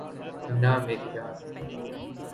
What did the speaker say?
نہ مری جاں